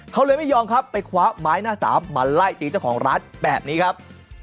เขาเลยไม่ยอมครับไปคว้าไม้หน้าสามมาไล่ตีเจ้าของร้านแบบนี้ครับ